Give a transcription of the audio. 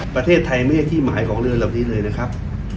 ประเทศไทยไม่ใช่ที่หมายของเรือนเหล่านี้เลยนะครับ